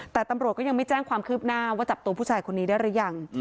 แต่ตำรวจก็ยังไม่แจ้งความคืบหน้าว่าจับตัวผู้ชายคนนี้ได้หรือยัง